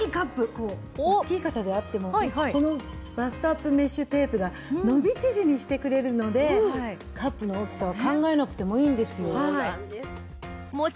こう大きい方であってもこのバストアップメッシュテープが伸び縮みしてくれるのでカップの大きさは考えなくてもいいんですよ。